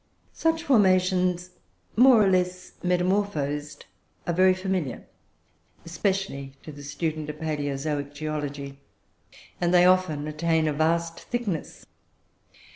Such formations, more or less metamorphosed, are very familiar, especially to the student of palaeozoic geology, and they often attain a vast thickness.